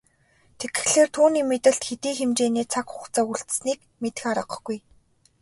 Тэгэхлээр түүний мэдэлд хэдий хэмжээний цаг хугацаа үлдсэнийг мэдэх аргагүй.